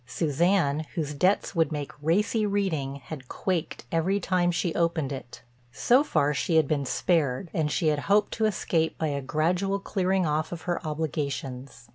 Suzanne, whose debts would make racy reading, had quaked every time she opened it. So far she had been spared, and she had hoped to escape by a gradual clearing off of her obligations.